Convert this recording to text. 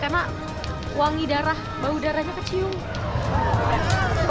karena wangi darah bau darahnya kecium